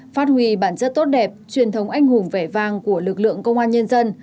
phát huy bản chất tốt đẹp truyền thống anh hùng vẻ vang của lực lượng công an nhân dân